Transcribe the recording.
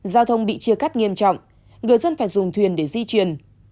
giao thông bị chia cắt nghiêm trọng người dân phải dùng thuyền để di chuyển